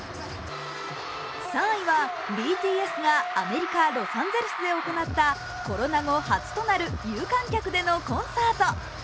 ３位はＢＴＳがアメリカ・ロサンゼルスで行ったコロナ後初となる有観客でのコンサート。